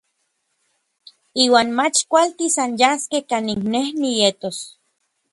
Iuan mach kualtis anyaskej kanin nej nietos.